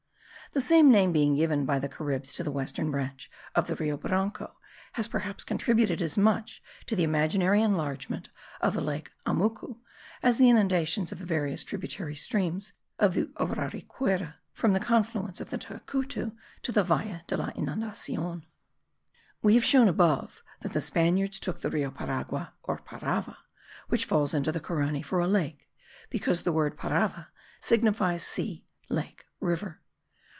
The same name being given by the Caribs to the western branch of the Rio Branco has perhaps contributed as much to the imaginary enlargement of the lake Amucu, as the inundations of the various tributary streams of the Uraricuera, from the confluence of the Tacutu to the Valle de la Inundacion. We have shown above that the Spaniards took the Rio Paragua, or Parava, which falls into the Carony, for a lake, because the word parava signifies sea, lake, river.